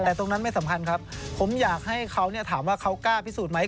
แต่ตรงนั้นไม่สำคัญครับผมอยากให้เขาถามว่าเขากล้าพิสูจน์ไหม